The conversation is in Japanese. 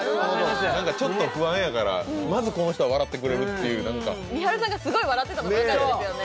何かちょっと不安やからまずこの人は笑ってくれるっていう何かみはるさんがスゴい笑ってたのがよかったですよね